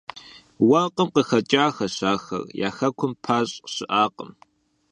Уэркъым къыхэкӀащ ахэр, я хэкум пащӀ щыӀакъым.